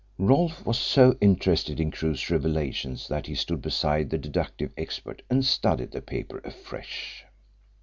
Rolfe was so interested in Crewe's revelations that he stood beside the deductive expert and studied the paper afresh.